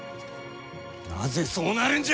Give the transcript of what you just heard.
なぜそうなるんじゃ！